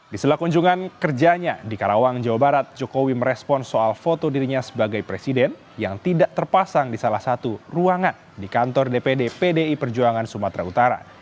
di selakunjungan kerjanya di karawang jawa barat jokowi merespon soal foto dirinya sebagai presiden yang tidak terpasang di salah satu ruangan di kantor dpd pdi perjuangan sumatera utara